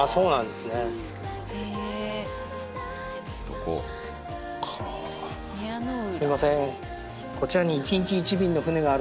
すいません。